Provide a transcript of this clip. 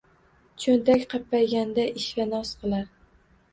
Cho’ntak qappayganda ishva-noz qilar.